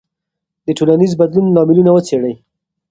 د ټولنیز بدلون لاملونه وڅېړئ.